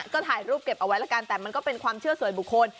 ก็ถ่ายรูปเก็บเอาไว้แล้วกันแต่มันก็เป็นความเชื่อส่วนบุคคล